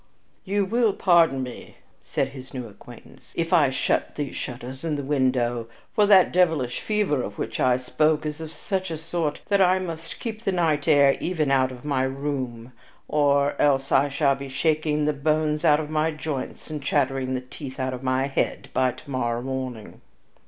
"You will pardon me," said his new acquaintance, "if I shut these shutters and the window, for that devilish fever of which I spoke is of such a sort that I must keep the night air even out from my room, or else I shall be shaking the bones out of my joints and chattering the teeth out of my head by to morrow morning."